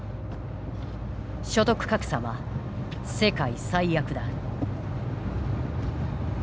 所得格差は世界最悪だ。